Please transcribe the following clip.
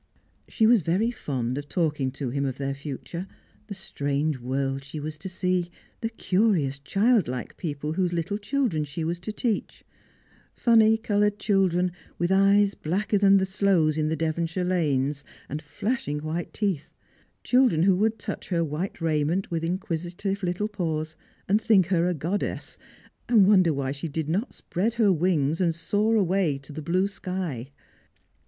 She was very fond of talking to him of their future, the strange world she was to see, the cxirious child like people whose little children she was to teach ; funny coloured children, with eyes blacker than the sloes in the Devonshire lanes, and flash ing white teeth; children who would touch her white raiment with inquisitive little paws, and think her a goddess, and wonder why she did not spread her wings and soar away to the blue sky.